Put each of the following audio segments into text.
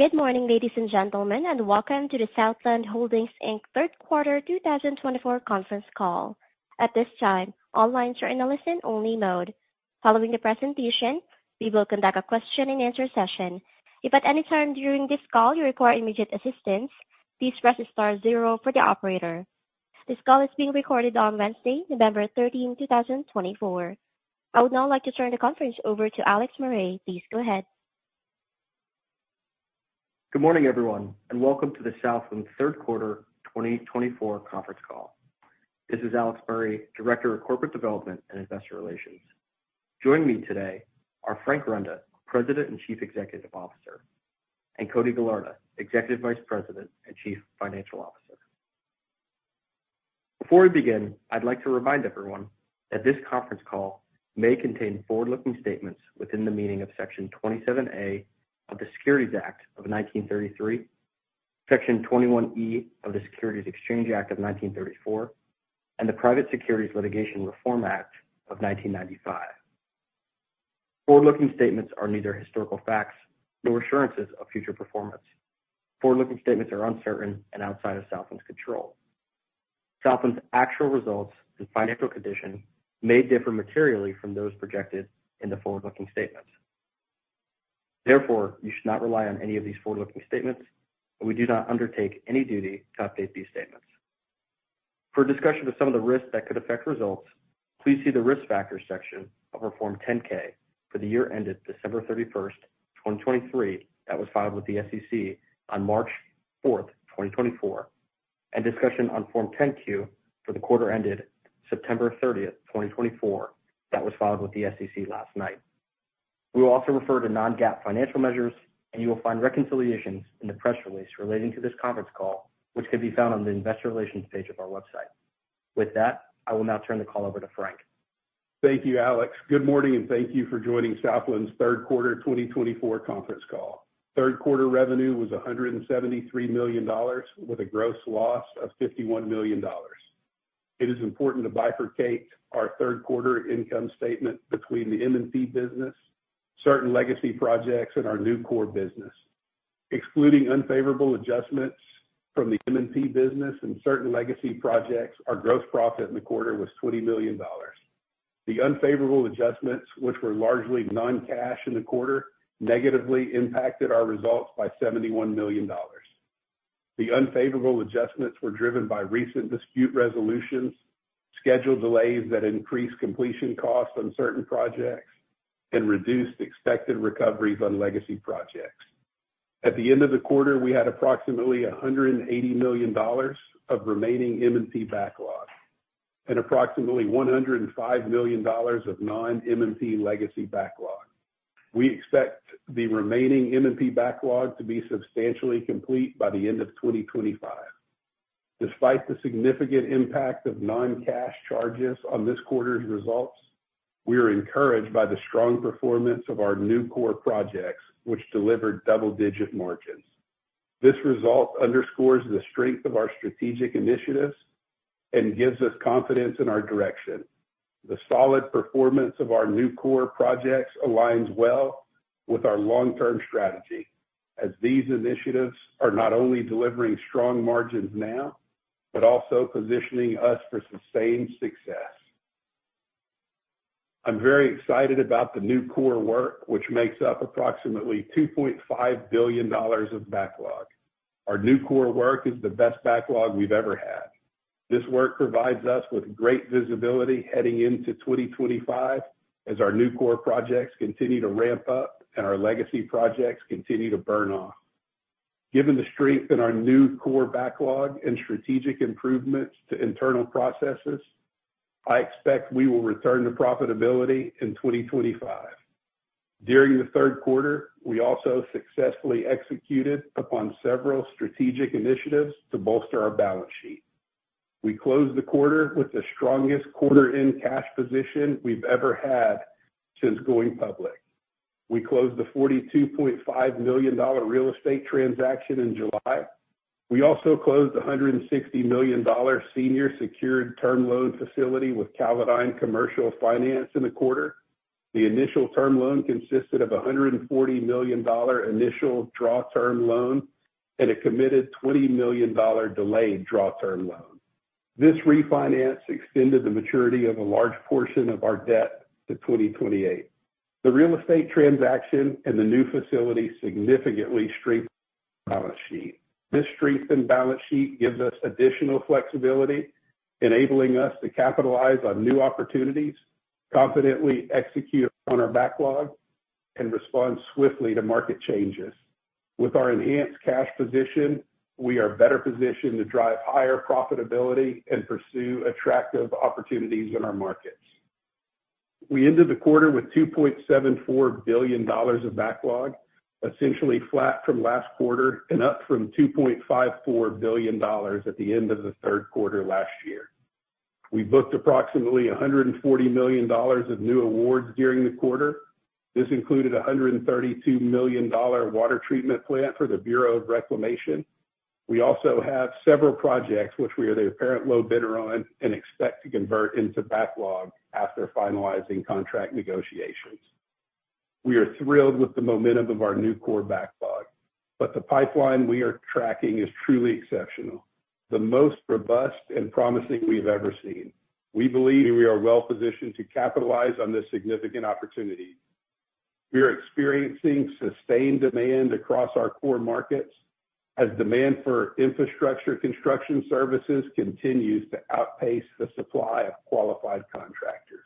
Good morning, ladies and gentlemen, and welcome to the Southland Holdings Inc. Third Quarter 2024 Conference Call. At this time, all lines are in a listen-only mode. Following the presentation, we will conduct a question-and-answer session. If at any time during this call you require immediate assistance, please press star zero for the operator. This call is being recorded on Wednesday, November 13, 2024. I would now like to turn the conference over to Alex Murray. Please go ahead. Good morning, everyone, and welcome to the Southland third quarter 2024 conference call. This is Alex Murray, Director of Corporate Development and Investor Relations. Joining me today are Frank Renda, President and Chief Executive Officer, and Cody Gallarda, Executive Vice President and Chief Financial Officer. Before we begin, I'd like to remind everyone that this conference call may contain forward-looking statements within the meaning of Section 27A of the Securities Act of 1933, Section 21E of the Securities Exchange Act of 1934, and the Private Securities Litigation Reform Act of 1995. Forward-looking statements are neither historical facts nor assurances of future performance. Forward-looking statements are uncertain and outside of Southland's control. Southland's actual results and financial condition may differ materially from those projected in the forward-looking statements. Therefore, you should not rely on any of these forward-looking statements, and we do not undertake any duty to update these statements. For a discussion of some of the risks that could affect results, please see the risk factors section of Form 10-K for the year ended December 31st, 2023, that was filed with the SEC on March 4th, 2024, and discussion on Form 10-Q for the quarter ended September 30th, 2024, that was filed with the SEC last night. We will also refer to non-GAAP financial measures, and you will find reconciliations in the press release relating to this conference call, which can be found on the Investor Relations page of our website. With that, I will now turn the call over to Frank. Thank you, Alex. Good morning, and thank you for joining Southland's third quarter 2024 conference call. Third quarter revenue was $173 million, with a gross loss of $51 million. It is important to bifurcate our third quarter income statement between the M&P business, certain legacy projects, and our new core business. Excluding unfavorable adjustments from the M&P business and certain legacy projects, our gross profit in the quarter was $20 million. The unfavorable adjustments, which were largely non-cash in the quarter, negatively impacted our results by $71 million. The unfavorable adjustments were driven by recent dispute resolutions, schedule delays that increased completion costs on certain projects, and reduced expected recoveries on legacy projects. At the end of the quarter, we had approximately $180 million of remaining M&P backlog and approximately $105 million of non-M&P legacy backlog. We expect the remaining M&P backlog to be substantially complete by the end of 2025. Despite the significant impact of non-cash charges on this quarter's results, we are encouraged by the strong performance of our new core projects, which delivered double-digit margins. This result underscores the strength of our strategic initiatives and gives us confidence in our direction. The solid performance of our new core projects aligns well with our long-term strategy, as these initiatives are not only delivering strong margins now but also positioning us for sustained success. I'm very excited about the new core work, which makes up approximately $2.5 billion of backlog. Our new core work is the best backlog we've ever had. This work provides us with great visibility heading into 2025 as our new core projects continue to ramp up and our legacy projects continue to burn off. Given the strength in our new core backlog and strategic improvements to internal processes, I expect we will return to profitability in 2025. During the third quarter, we also successfully executed upon several strategic initiatives to bolster our balance sheet. We closed the quarter with the strongest quarter-end cash position we've ever had since going public. We closed the $42.5 million real estate transaction in July. We also closed the $160 million senior secured term loan facility with Callodine Commercial Finance in the quarter. The initial term loan consisted of a $140 million initial draw term loan and a committed $20 million delayed draw term loan. This refinance extended the maturity of a large portion of our debt to 2028. The real estate transaction and the new facility significantly strengthened our balance sheet. This strengthened balance sheet gives us additional flexibility, enabling us to capitalize on new opportunities, confidently execute upon our backlog, and respond swiftly to market changes. With our enhanced cash position, we are better positioned to drive higher profitability and pursue attractive opportunities in our markets. We ended the quarter with $2.74 billion of backlog, essentially flat from last quarter and up from $2.54 billion at the end of the third quarter last year. We booked approximately $140 million of new awards during the quarter. This included a $132 million water treatment plant for the Bureau of Reclamation. We also have several projects which we are the apparent low bidder on and expect to convert into backlog after finalizing contract negotiations. We are thrilled with the momentum of our new core backlog, but the pipeline we are tracking is truly exceptional, the most robust and promising we've ever seen. We believe we are well positioned to capitalize on this significant opportunity. We are experiencing sustained demand across our core markets as demand for infrastructure construction services continues to outpace the supply of qualified contractors.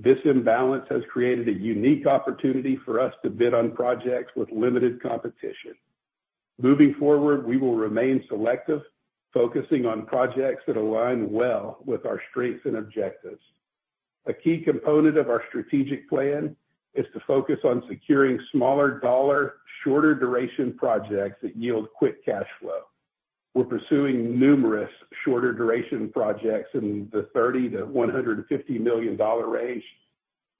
This imbalance has created a unique opportunity for us to bid on projects with limited competition. Moving forward, we will remain selective, focusing on projects that align well with our strengths and objectives. A key component of our strategic plan is to focus on securing smaller dollar, shorter duration projects that yield quick cash flow. We're pursuing numerous shorter duration projects in the $30 million-$150 million range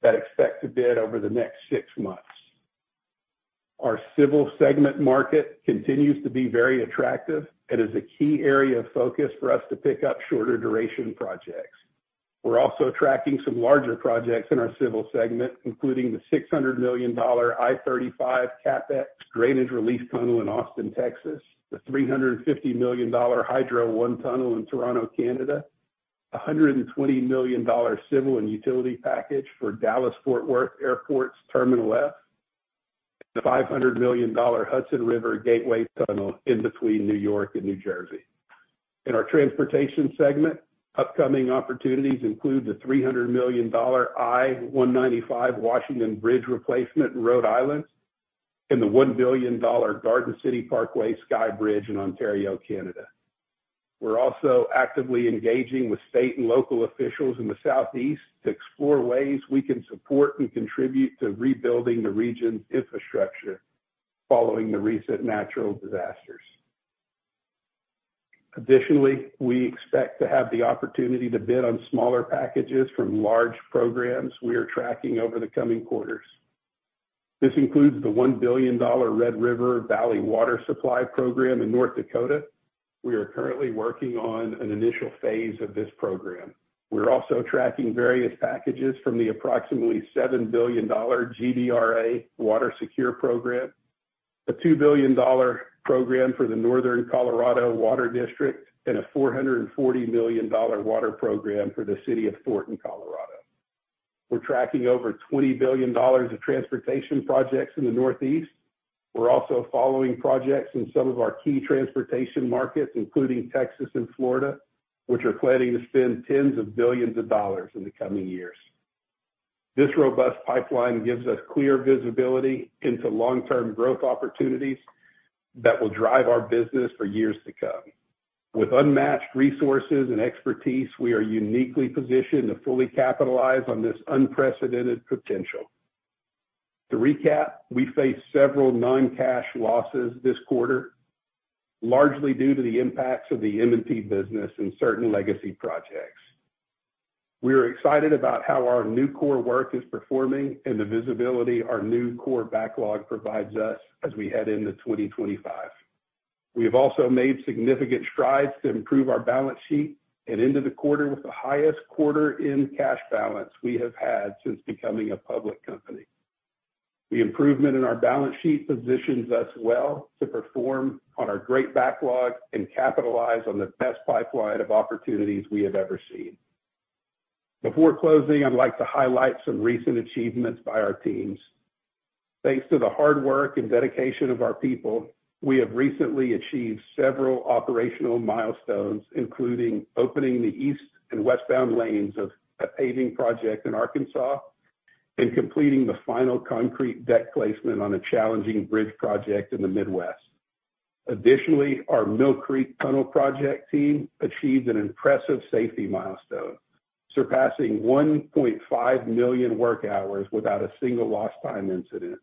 that expect to bid over the next six months. Our Civil segment market continues to be very attractive and is a key area of focus for us to pick up shorter duration projects. We're also tracking some larger projects in our Civil segment, including the $600 million I-35 CapEx drainage relief tunnel in Austin, Texas, the $350 million Hydro One tunnel in Toronto, Canada, a $120 million civil and utility package for Dallas-Fort Worth Airport's Terminal F, and the $500 million Hudson River Gateway tunnel in between New York and New Jersey. In our transportation segment, upcoming opportunities include the $300 million I-195 Washington Bridge replacement in Rhode Island and the $1 billion Garden City Parkway Sky Bridge in Ontario, Canada. We're also actively engaging with state and local officials in the Southeast to explore ways we can support and contribute to rebuilding the region's infrastructure following the recent natural disasters. Additionally, we expect to have the opportunity to bid on smaller packages from large programs we are tracking over the coming quarters. This includes the $1 billion Red River Valley Water Supply Program in North Dakota. We are currently working on an initial phase of this program. We're also tracking various packages from the approximately $7 billion GBRA Water Secure Program, a $2 billion program for the Northern Colorado Water District, and a $440 million water program for the city of Thornton, Colorado. We're tracking over $20 billion of transportation projects in the Northeast. We're also following projects in some of our key transportation markets, including Texas and Florida, which are planning to spend tens of billions of dollars in the coming years. This robust pipeline gives us clear visibility into long-term growth opportunities that will drive our business for years to come. With unmatched resources and expertise, we are uniquely positioned to fully capitalize on this unprecedented potential. To recap, we faced several non-cash losses this quarter, largely due to the impacts of the M&P business and certain legacy projects. We are excited about how our new core work is performing and the visibility our new core backlog provides us as we head into 2025. We have also made significant strides to improve our balance sheet and ended the quarter with the highest quarter-end cash balance we have had since becoming a public company. The improvement in our balance sheet positions us well to perform on our great backlog and capitalize on the best pipeline of opportunities we have ever seen. Before closing, I'd like to highlight some recent achievements by our teams. Thanks to the hard work and dedication of our people, we have recently achieved several operational milestones, including opening the East and Westbound lanes of a paving project in Arkansas and completing the final concrete deck placement on a challenging bridge project in the Midwest. Additionally, our Mill Creek Tunnel Project team achieved an impressive safety milestone, surpassing 1.5 million work hours without a single lost-time incident.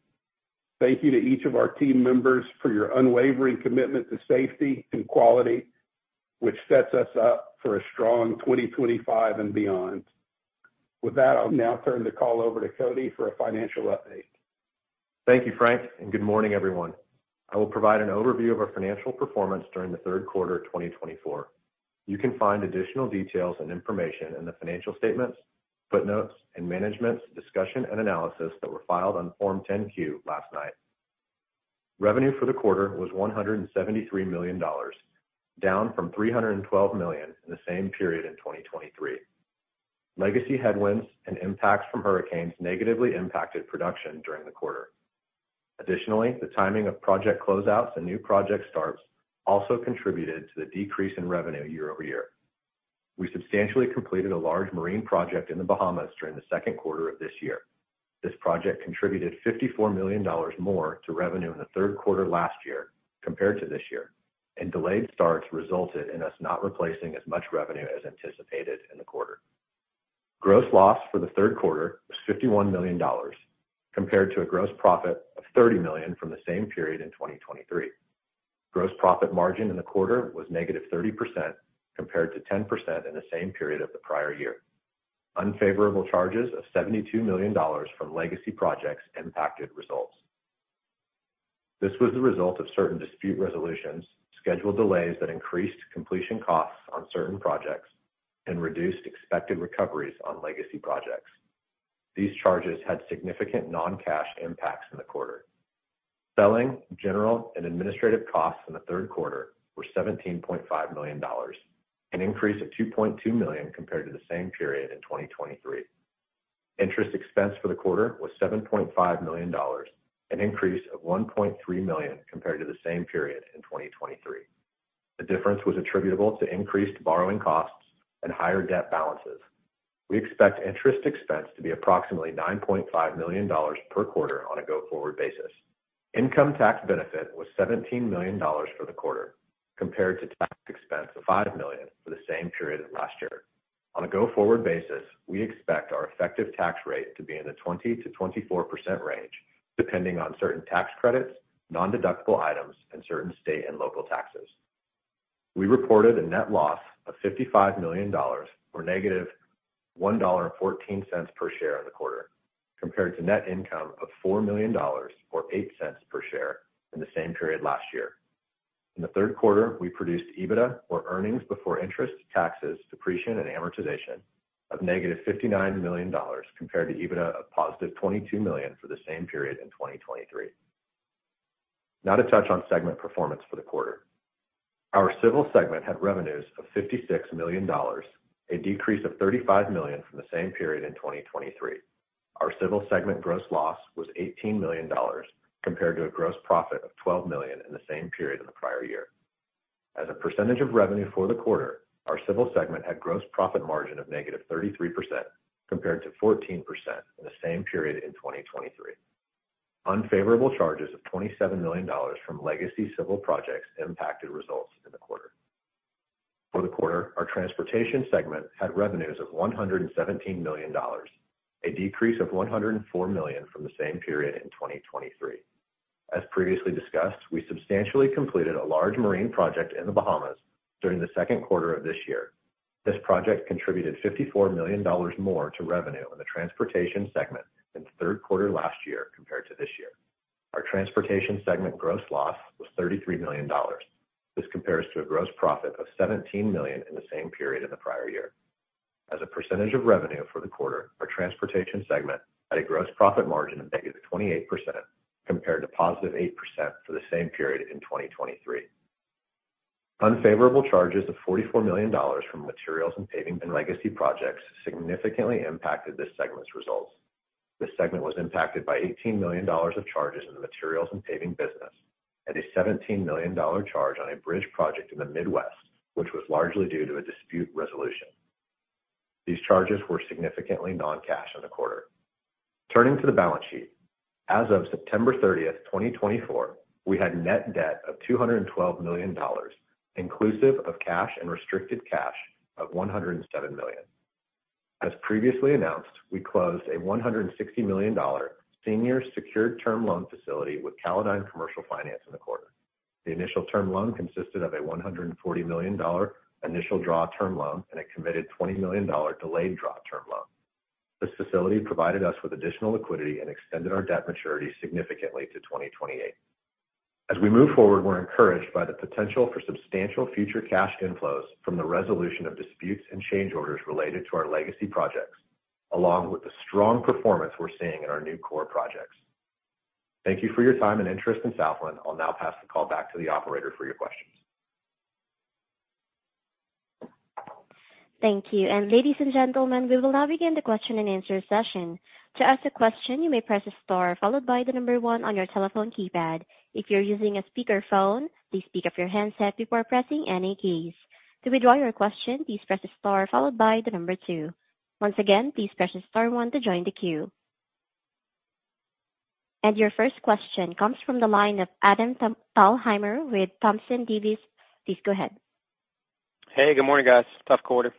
Thank you to each of our team members for your unwavering commitment to safety and quality, which sets us up for a strong 2025 and beyond. With that, I'll now turn the call over to Cody for a financial update. Thank you, Frank, and good morning, everyone. I will provide an overview of our financial performance during the third quarter of 2024. You can find additional details and information in the financial statements, footnotes, and management's discussion and analysis that were filed on Form 10-Q last night. Revenue for the quarter was $173 million, down from $312 million in the same period in 2023. Legacy headwinds and impacts from hurricanes negatively impacted production during the quarter. Additionally, the timing of project closeouts and new project starts also contributed to the decrease in revenue year-over-year. We substantially completed a large marine project in the Bahamas during the second quarter of this year. This project contributed $54 million more to revenue in the third quarter last year compared to this year, and delayed starts resulted in us not replacing as much revenue as anticipated in the quarter. Gross loss for the third quarter was $51 million, compared to a gross profit of $30 million from the same period in 2023. Gross profit margin in the quarter was -30% compared to 10% in the same period of the prior year. Unfavorable charges of $72 million from legacy projects impacted results. This was the result of certain dispute resolutions, schedule delays that increased completion costs on certain projects, and reduced expected recoveries on legacy projects. These charges had significant non-cash impacts in the quarter. Selling, general, and administrative costs in the third quarter were $17.5 million, an increase of $2.2 million compared to the same period in 2023. Interest expense for the quarter was $7.5 million, an increase of $1.3 million compared to the same period in 2023. The difference was attributable to increased borrowing costs and higher debt balances. We expect interest expense to be approximately $9.5 million per quarter on a go-forward basis. Income tax benefit was $17 million for the quarter, compared to tax expense of $5 million for the same period of last year. On a go-forward basis, we expect our effective tax rate to be in the 20%-24% range, depending on certain tax credits, non-deductible items, and certain state and local taxes. We reported a net loss of $55 million or $-1.14 per share in the quarter, compared to net income of $4 million or $0.08 per share in the same period last year. In the third quarter, we produced EBITDA or earnings before interest, taxes, depreciation, and amortization of $-59 million compared to EBITDA of $+22 million for the same period in 2023. Now to touch on segment performance for the quarter. Our civil segment had revenues of $56 million, a decrease of $35 million from the same period in 2023. Our civil segment gross loss was $18 million compared to a gross profit of $12 million in the same period in the prior year. As a percentage of revenue for the quarter, our civil segment had gross profit margin of -33% compared to 14% in the same period in 2023. Unfavorable charges of $27 million from legacy civil projects impacted results in the quarter. For the quarter, our transportation segment had revenues of $117 million, a decrease of $104 million from the same period in 2023. As previously discussed, we substantially completed a large marine project in the Bahamas during the second quarter of this year. This project contributed $54 million more to revenue in the transportation segment than the third quarter last year compared to this year. Our transportation segment gross loss was $33 million. This compares to a gross profit of $17 million in the same period in the prior year. As a percentage of revenue for the quarter, our transportation segment had a gross profit margin of -28% compared to +8% for the same period in 2023. Unfavorable charges of $44 million from materials and paving and legacy projects significantly impacted this segment's results. This segment was impacted by $18 million of charges in the materials and paving business and a $17 million charge on a bridge project in the Midwest, which was largely due to a dispute resolution. These charges were significantly non-cash in the quarter. Turning to the balance sheet, as of September 30th, 2024, we had net debt of $212 million, inclusive of cash and restricted cash of $107 million. As previously announced, we closed a $160 million senior secured term loan facility with Callodine Commercial Finance in the quarter. The initial term loan consisted of a $140 million initial draw term loan and a committed $20 million delayed draw term loan. This facility provided us with additional liquidity and extended our debt maturity significantly to 2028. As we move forward, we're encouraged by the potential for substantial future cash inflows from the resolution of disputes and change orders related to our legacy projects, along with the strong performance we're seeing in our new core projects. Thank you for your time and interest in Southland. I'll now pass the call back to the operator for your questions. Thank you. And ladies and gentlemen, we will now begin the question and answer session. To ask a question, you may press a star followed by the number one on your telephone keypad. If you're using a speakerphone, please speak up your handset before pressing any keys. To withdraw your question, please press a star followed by the number two. Once again, please press a star one to join the queue. And your first question comes from the line of Adam Thalhimer with Thompson Davis. Please go ahead. Hey, good morning, guys. Tough quarter.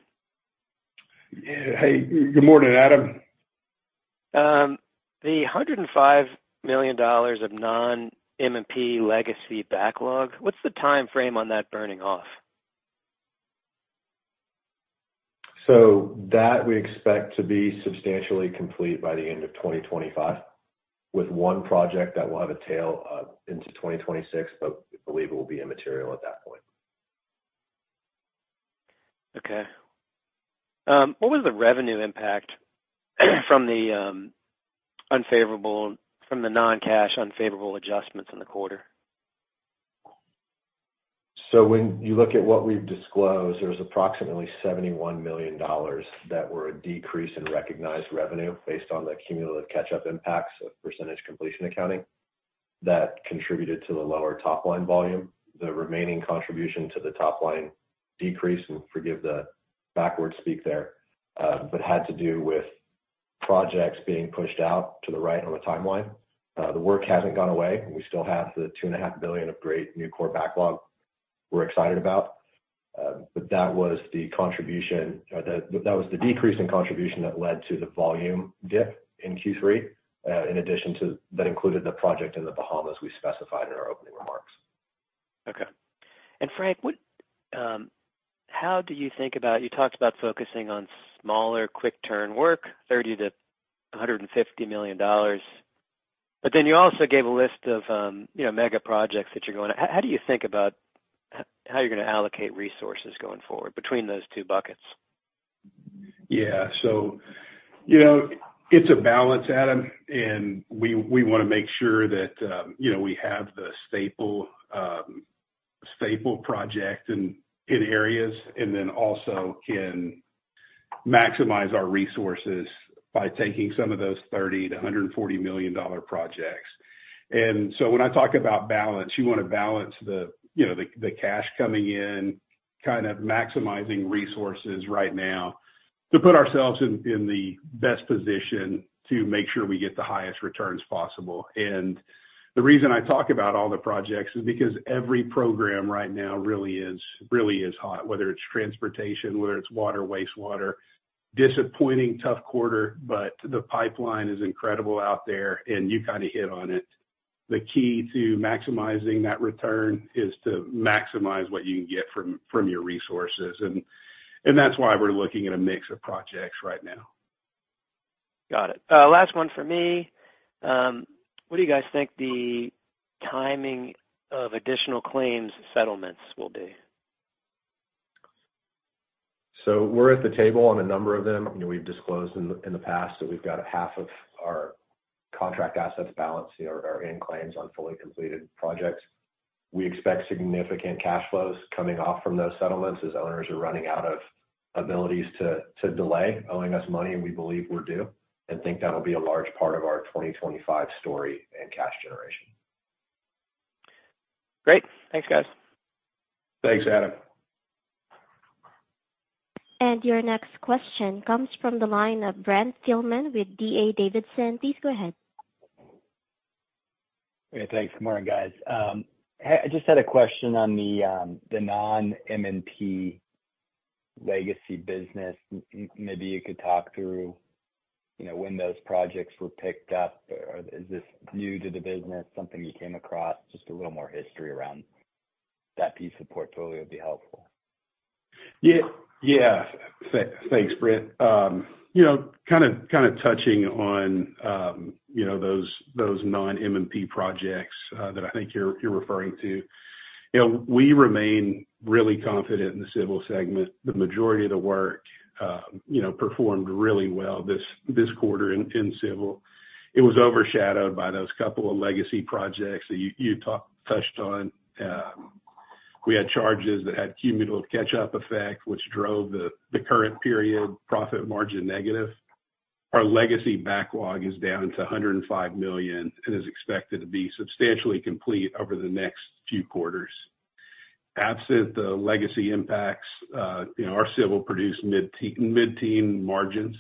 Hey, good morning, Adam. The $105 million of non-M&P legacy backlog, what's the timeframe on that burning off? So that we expect to be substantially complete by the end of 2025, with one project that will have a tail into 2026, but we believe it will be immaterial at that point. Okay. What was the revenue impact from the non-cash unfavorable adjustments in the quarter? So when you look at what we've disclosed, there's approximately $71 million that were a decrease in recognized revenue based on the cumulative catch-up impacts of percentage completion accounting that contributed to the lower top-line volume. The remaining contribution to the top-line decrease, and forgive the backward speak there, but had to do with projects being pushed out to the right on the timeline. The work hasn't gone away. We still have the $2.5 billion of great new core backlog we're excited about. But that was the contribution. That was the decrease in contribution that led to the volume dip in Q3, in addition to that included the project in the Bahamas we specified in our opening remarks. Okay. And Frank, how do you think about you talked about focusing on smaller quick-turn work, $30 million-$150 million, but then you also gave a list of mega projects that you're going to how do you think about how you're going to allocate resources going forward between those two buckets? Yeah. So it's a balance, Adam, and we want to make sure that we have the staple project in areas and then also can maximize our resources by taking some of those $30 million-$140 million projects. And so when I talk about balance, you want to balance the cash coming in, kind of maximizing resources right now to put ourselves in the best position to make sure we get the highest returns possible. And the reason I talk about all the projects is because every program right now really is hot, whether it's transportation, whether it's water, wastewater. Disappointing, tough quarter, but the pipeline is incredible out there, and you kind of hit on it. The key to maximizing that return is to maximize what you can get from your resources. And that's why we're looking at a mix of projects right now. Got it. Last one for me. What do you guys think the timing of additional claims settlements will be? We're at the table on a number of them. We've disclosed in the past that we've got half of our contract assets balanced, our end claims on fully completed projects. We expect significant cash flows coming off from those settlements as owners are running out of abilities to delay owing us money we believe we're due and think that'll be a large part of our 2025 story and cash generation. Great. Thanks, guys. Thanks, Adam. Your next question comes from the line of Brent Thielman with D.A. Davidson. Please go ahead. Hey, thanks. Good morning, guys. I just had a question on the non-M&P legacy business. Maybe you could talk through when those projects were picked up. Is this new to the business, something you came across? Just a little more history around that piece of portfolio would be helpful. Yeah. Yeah. Thanks, Brent. Kind of touching on those non-M&P projects that I think you're referring to, we remain really confident in the civil segment. The majority of the work performed really well this quarter in civil. It was overshadowed by those couple of legacy projects that you touched on. We had charges that had cumulative catch-up effect, which drove the current period profit margin negative. Our legacy backlog is down to $105 million and is expected to be substantially complete over the next few quarters. Absent the legacy impacts, our civil produced mid-teen margins.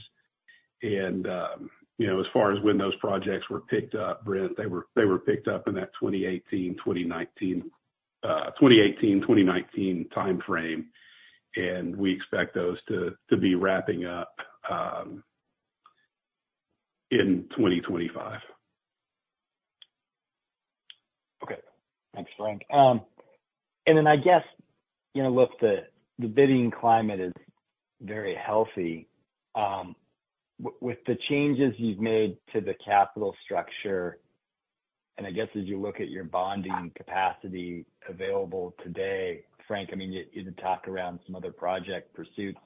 As far as when those projects were picked up, Brent, they were picked up in that 2018-2019 timeframe, and we expect those to be wrapping up in 2025. Okay. Thanks, Frank. And then I guess, look, the bidding climate is very healthy. With the changes you've made to the capital structure, and I guess as you look at your bonding capacity available today, Frank, I mean, you did talk around some other project pursuits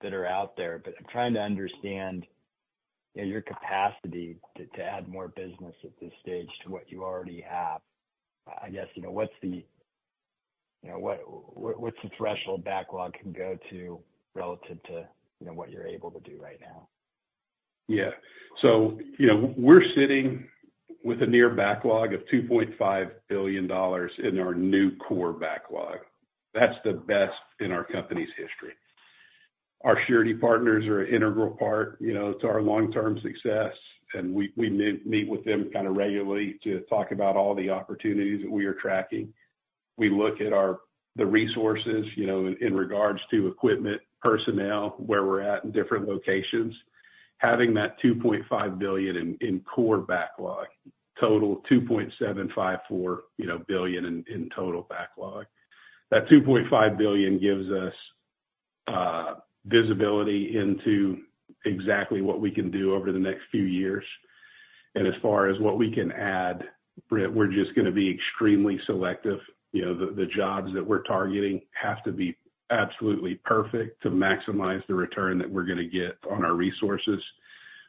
that are out there, but I'm trying to understand your capacity to add more business at this stage to what you already have. I guess what's the threshold backlog can go to relative to what you're able to do right now? Yeah, so we're sitting with a backlog of nearly $2.5 billion in our new core backlog. That's the best in our company's history. Our surety partners are an integral part to our long-term success, and we meet with them kind of regularly to talk about all the opportunities that we are tracking. We look at the resources in regards to equipment, personnel, where we're at in different locations. Having that $2.5 billion in core backlog, total $2.754 billion in total backlog, that $2.5 billion gives us visibility into exactly what we can do over the next few years, and as far as what we can add, we're just going to be extremely selective. The jobs that we're targeting have to be absolutely perfect to maximize the return that we're going to get on our resources.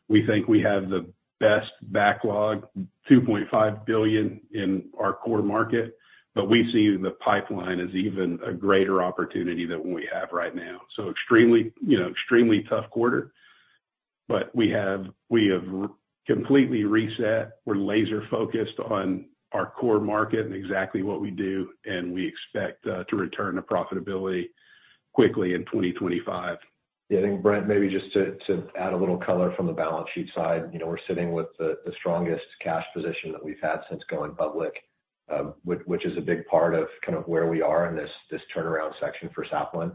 We think we have the best backlog, $2.5 billion in our core market, but we see the pipeline as even a greater opportunity than we have right now. So extremely tough quarter, but we have completely reset. We're laser-focused on our core market and exactly what we do, and we expect to return to profitability quickly in 2025. Yeah. I think, Brent, maybe just to add a little color from the balance sheet side, we're sitting with the strongest cash position that we've had since going public, which is a big part of kind of where we are in this turnaround section for Southland.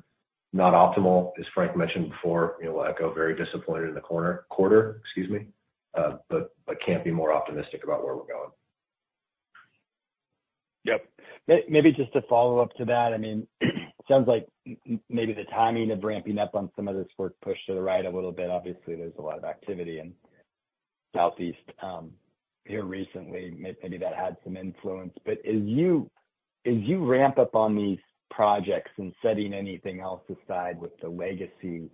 Not optimal, as Frank mentioned before. We'll echo very disappointed in the quarter, excuse me, but can't be more optimistic about where we're going. Yep. Maybe just to follow up to that, I mean, it sounds like maybe the timing of ramping up on some of this work pushed to the right a little bit. Obviously, there's a lot of activity in Southeast here recently. Maybe that had some influence. But as you ramp up on these projects and setting anything else aside with the legacy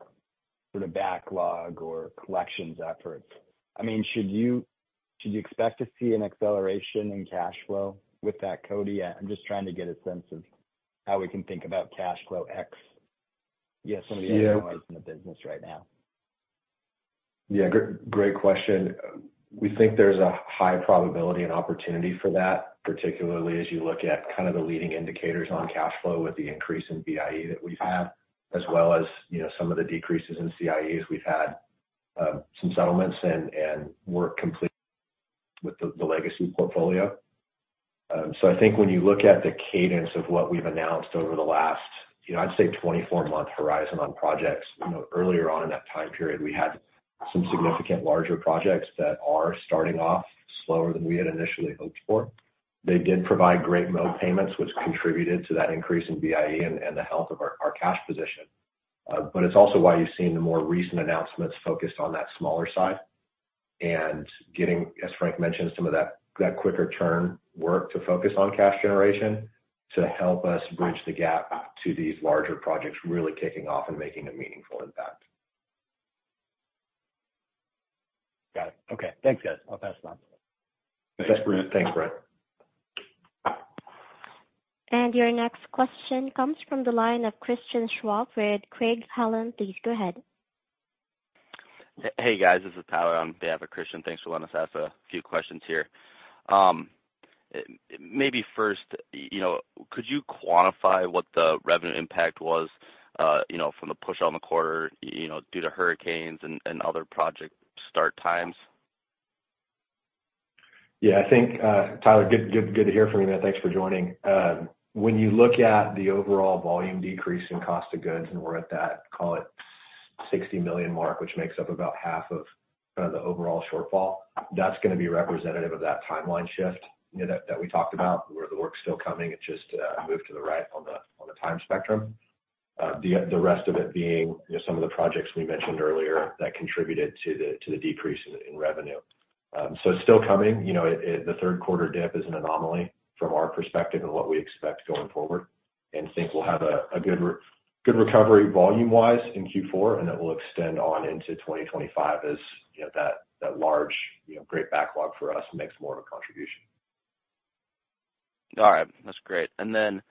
sort of backlog or collections efforts, I mean, should you expect to see an acceleration in cash flow with that Cody? I'm just trying to get a sense of how we can think about cash flow ex, some of the in the business right now. Yeah. Great question. We think there's a high probability and opportunity for that, particularly as you look at kind of the leading indicators on cash flow with the increase in BIE that we've had, as well as some of the decreases in CIEs. We've had some settlements and work complete with the legacy portfolio. So I think when you look at the cadence of what we've announced over the last, I'd say, 24-month horizon on projects, earlier on in that time period, we had some significant larger projects that are starting off slower than we had initially hoped for. They did provide great mobilization payments, which contributed to that increase in BIE and the health of our cash position. But it's also why you've seen the more recent announcements focused on that smaller side. And getting, as Frank mentioned, some of that quicker turn work to focus on cash generation to help us bridge the gap to these larger projects really kicking off and making a meaningful impact. Got it. Okay. Thanks, guys. I'll pass it on. Thanks, Brent. And your next question comes from the line of Christian Schwab with Craig-Hallum. Please go ahead. Hey, guys. This is Tyler on behalf of Christian. Thanks for letting us ask a few questions here. Maybe first, could you quantify what the revenue impact was from the push on the quarter due to hurricanes and other project start times? Yeah. I think, Tyler, good to hear from you, man. Thanks for joining. When you look at the overall volume decrease in cost of goods, and we're at that, call it, $60 million mark, which makes up about half of kind of the overall shortfall, that's going to be representative of that timeline shift that we talked about where the work's still coming. It just moved to the right on the time spectrum. The rest of it being some of the projects we mentioned earlier that contributed to the decrease in revenue. So it's still coming. The third quarter dip is an anomaly from our perspective and what we expect going forward. And I think we'll have a good recovery volume-wise in Q4, and it will extend on into 2025 as that large great backlog for us makes more of a contribution. All right. That's great, and then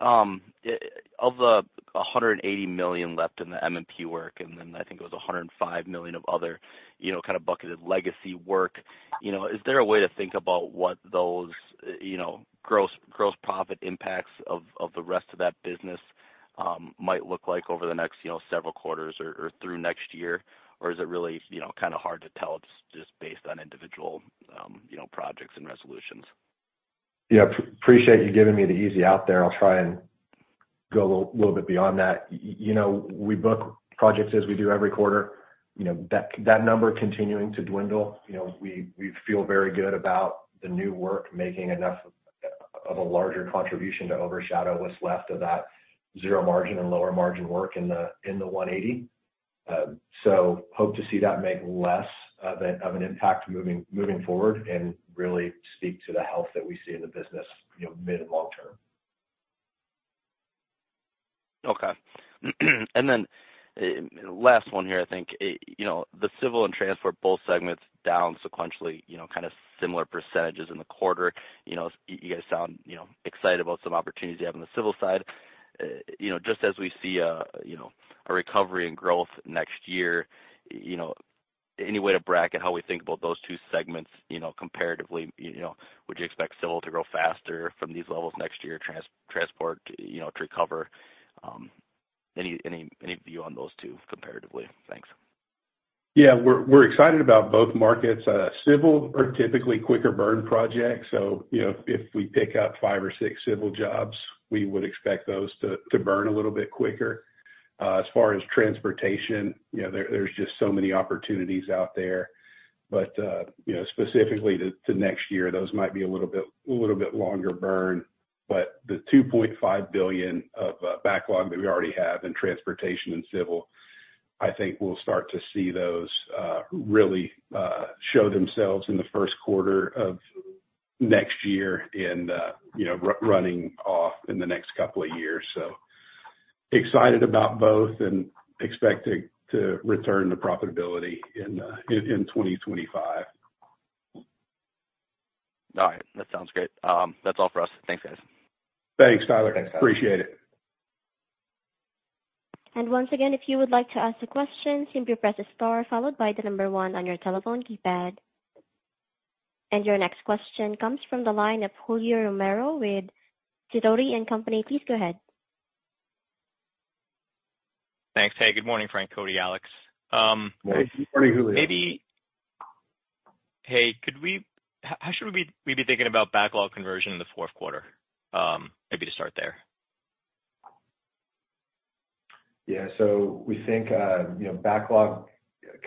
of the $180 million left in the M&P work, and then I think it was $105 million of other kind of bucketed legacy work, is there a way to think about what those gross profit impacts of the rest of that business might look like over the next several quarters or through next year? Or is it really kind of hard to tell just based on individual projects and resolutions? Yeah. Appreciate you giving me the easy out there. I'll try and go a little bit beyond that. We book projects as we do every quarter. That number continuing to dwindle, we feel very good about the new work making enough of a larger contribution to overshadow what's left of that zero margin and lower margin work in the 180. So hope to see that make less of an impact moving forward and really speak to the health that we see in the business mid and long term. Okay. And then last one here, I think. The Civil and Transport both segments down sequentially, kind of similar percentages in the quarter. You guys sound excited about some opportunities you have on the Civil side. Just as we see a recovery and growth next year, any way to bracket how we think about those two segments comparatively? Would you expect Civil to grow faster from these levels next year, Transport to recover? Any view on those two comparatively? Thanks. Yeah. We're excited about both markets. Civil are typically quicker burn projects. So if we pick up five or six civil jobs, we would expect those to burn a little bit quicker. As far as Transportation, there's just so many opportunities out there. But specifically to next year, those might be a little bit longer burn. But the $2.5 billion of backlog that we already have in Transportation and Civil, I think we'll start to see those really show themselves in the first quarter of next year and running off in the next couple of years. So excited about both and expect to return to profitability in 2025. All right. That sounds great. That's all for us. Thanks, guys. Thanks, Tyler. Appreciate it. Once again, if you would like to ask a question, simply press a star followed by the number one on your telephone keypad. Your next question comes from the line of Julio Romero with Sidoti & Company. Please go ahead. Thanks. Hey, good morning, Frank, Cody, Alex. Hey. Good morning, Julio. Maybe, hey, how should we be thinking about backlog conversion in the fourth quarter? Maybe to start there. Yeah. So we think backlog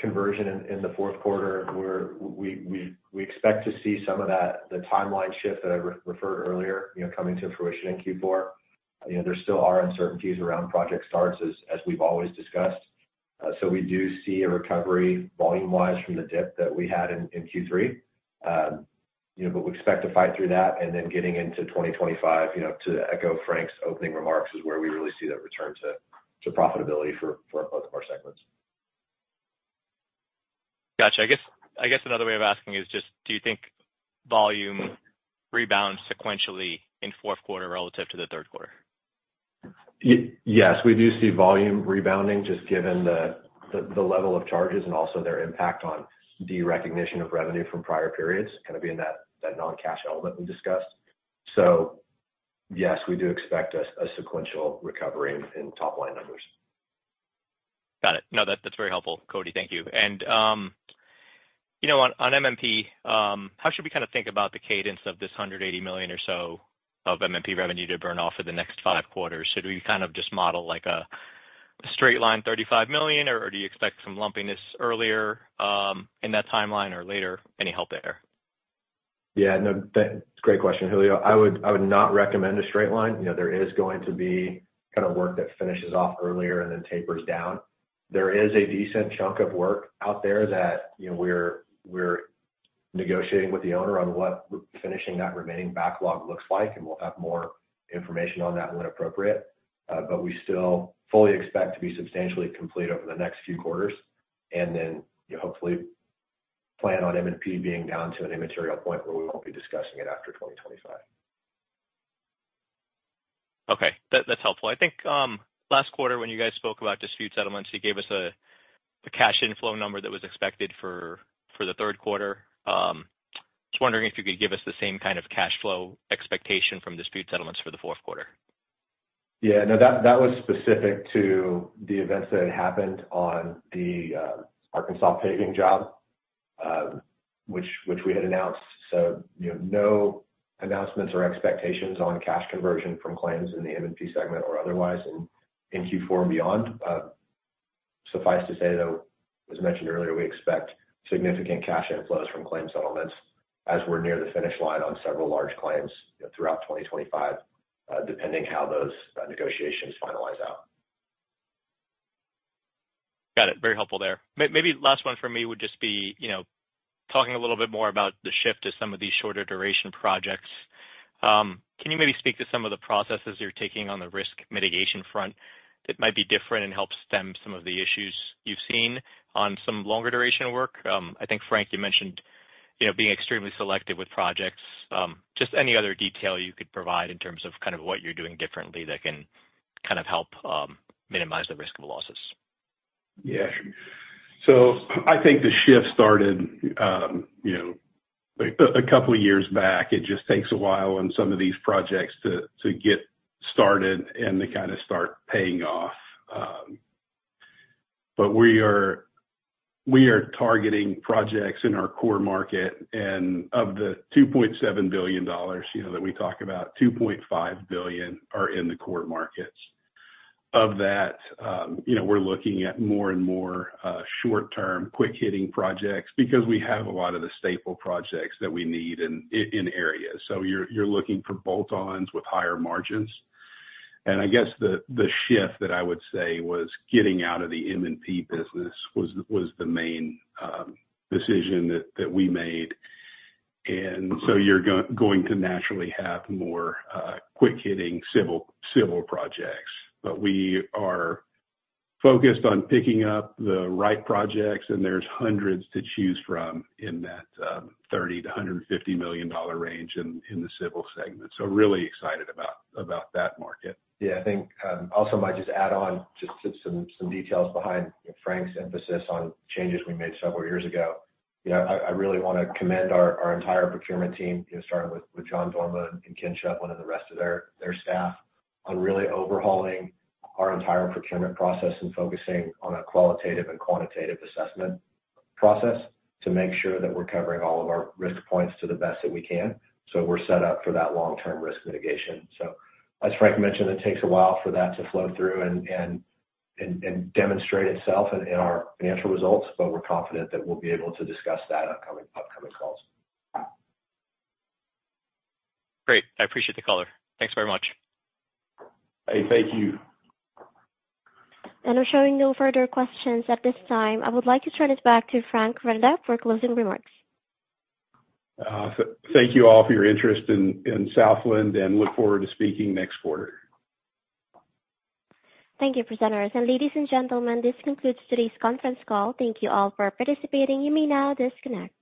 conversion in the fourth quarter, we expect to see some of that, the timeline shift that I referred earlier, coming to fruition in Q4. There still are uncertainties around project starts, as we've always discussed. So we do see a recovery volume-wise from the dip that we had in Q3. But we expect to fight through that. And then getting into 2025, to echo Frank's opening remarks, is where we really see that return to profitability for both of our segments. Gotcha. I guess another way of asking is just, do you think volume rebounds sequentially in fourth quarter relative to the third quarter? Yes. We do see volume rebounding just given the level of charges and also their impact on the recognition of revenue from prior periods, kind of being that non-cash element we discussed. So yes, we do expect a sequential recovery in top-line numbers. Got it. No, that's very helpful, Cody. Thank you. And on M&P, how should we kind of think about the cadence of this $180 million or so of M&P revenue to burn off for the next five quarters? Should we kind of just model like a straight-line $35 million, or do you expect some lumpiness earlier in that timeline or later? Any help there? Yeah. No, great question, Julio. I would not recommend a straight line. There is going to be kind of work that finishes off earlier and then tapers down. There is a decent chunk of work out there that we're negotiating with the owner on what finishing that remaining backlog looks like, and we'll have more information on that when appropriate. But we still fully expect to be substantially complete over the next few quarters and then hopefully plan on M&P being down to an immaterial point where we won't be discussing it after 2025. Okay. That's helpful. I think last quarter, when you guys spoke about dispute settlements, you gave us a cash inflow number that was expected for the third quarter. I was wondering if you could give us the same kind of cash flow expectation from dispute settlements for the fourth quarter. Yeah. No, that was specific to the events that had happened on the Arkansas paving job, which we had announced. So no announcements or expectations on cash conversion from claims in the M&P segment or otherwise in Q4 and beyond. Suffice to say, though, as mentioned earlier, we expect significant cash inflows from claim settlements as we're near the finish line on several large claims throughout 2025, depending how those negotiations finalize out. Got it. Very helpful there. Maybe last one for me would just be talking a little bit more about the shift to some of these shorter duration projects. Can you maybe speak to some of the processes you're taking on the risk mitigation front that might be different and help stem some of the issues you've seen on some longer duration work? I think, Frank, you mentioned being extremely selective with projects. Just any other detail you could provide in terms of kind of what you're doing differently that can kind of help minimize the risk of losses? Yeah. So I think the shift started a couple of years back. It just takes a while on some of these projects to get started and to kind of start paying off. But we are targeting projects in our core market. And of the $2.7 billion that we talk about, $2.5 billion are in the core markets. Of that, we're looking at more and more short-term, quick-hitting projects because we have a lot of the staple projects that we need in areas. So you're looking for bolt-ons with higher margins. And I guess the shift that I would say was getting out of the M&P business was the main decision that we made. And so you're going to naturally have more quick-hitting Civil projects. But we are focused on picking up the right projects, and there's hundreds to choose from in that $30 million-$150 million range in the Civil segment. So really excited about that market. Yeah. I think I also might just add on just to some details behind Frank's emphasis on changes we made several years ago. I really want to commend our entire procurement team, starting with Jon Dorma and Ken Chaffin and the rest of their staff, on really overhauling our entire procurement process and focusing on a qualitative and quantitative assessment process to make sure that we're covering all of our risk points to the best that we can. So we're set up for that long-term risk mitigation. So as Frank mentioned, it takes a while for that to flow through and demonstrate itself in our financial results, but we're confident that we'll be able to discuss that in upcoming calls. Great. I appreciate the caller. Thanks very much. Hey, thank you. If there are no further questions at this time, I would like to turn it back to Frank Renda for closing remarks. Thank you all for your interest in Southland and look forward to speaking next quarter. Thank you, presenters. And ladies and gentlemen, this concludes today's conference call. Thank you all for participating. You may now disconnect.